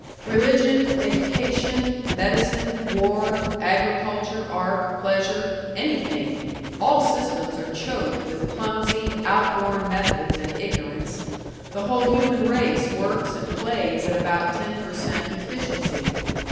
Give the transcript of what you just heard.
Religion, education, medicine, war, agriculture, art, pleasure, anything all systems are choked with clumsy, outworn methods and ignorance the whole human race works and plays at about ten per cent. efficiency.